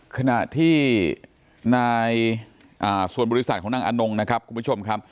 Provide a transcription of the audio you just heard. ขณะที่ในส่วนบริษัทของนางอนงนะครับ